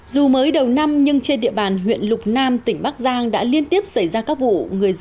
dù mới đầu năm nhưng trên địa bàn huyện lục nam tỉnh bắc giang đã liên tiếp xảy ra các vụ